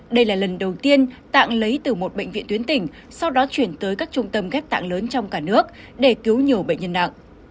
đây là lần đầu tiên tạng lấy từ một bệnh viện tuyến tỉnh sau đó chuyển tới các trung tâm ghép tạng lớn trong cả nước để cứu nhiều bệnh nhân nặng